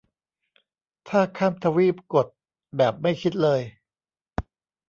ถ้าข้ามทวีปกด แบบไม่คิดเลย